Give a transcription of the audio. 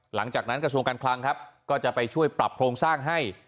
หลังจากนั้นกระทรวงการคลังครับก็จะไปช่วยปรับโครงสร้างให้